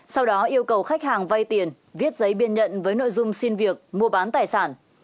sau đó yêu cầu khách hàng vay tiền viết giấy biên nhận với nội dung xin việc mua bán tài sản